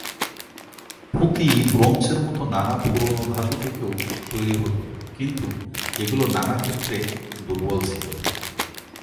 পুঁতি ব্রোঞ্জের মতো নানা পুরোনো ধাতু থেকেও তৈরি হতো কিন্তু এগুলো নানা ক্ষেত্রে দুর্বল ছিল।